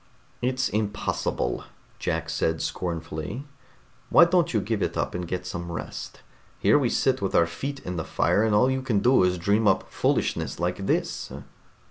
"It's impossible," Jack said scornfully. "Why don't you give it up and get some rest? Here we sit with our feet in the fire, and all you can do is dream up foolishness like this."